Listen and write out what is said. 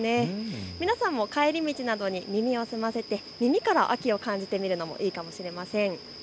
皆さんも帰り道などに耳を澄ませて耳から秋を感じてみるのもいいかもしれません。